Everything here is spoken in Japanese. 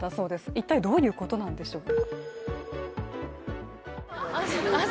一体どういうことなんでしょうか。